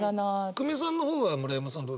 久米さんの方は村山さんどうですか？